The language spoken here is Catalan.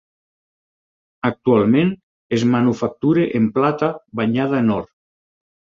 Actualment es manufactura en plata banyada en or.